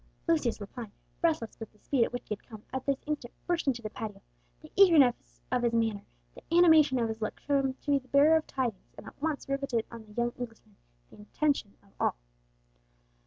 Lucius Lepine, breathless with the speed at which he had come, at this instant burst into the patio. The eagerness of his manner, the animation of his look, showed him to be the bearer of tidings, and at once riveted on the young Englishman the attention of all.